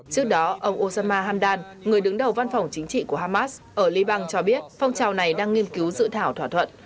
trước đó ông osama hamdan người đứng đầu văn phòng chính trị của hamas ở liban cho biết phong trào này đang nghiên cứu dự thảo thỏa thuận